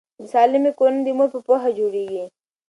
د سالمې کورنۍ د مور په پوهه جوړیږي.